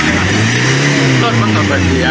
รถมันต่อไปเสียเนอะ